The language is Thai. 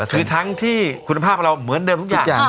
คือทั้งที่คุณภาพเราเหมือนเดิมทุกอย่าง